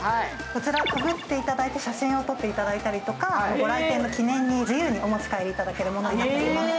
こちらかぶっていただいて写真を撮っていただいたりとか、ご来店の記念に自由にお持ち帰りいただけるものとなっております。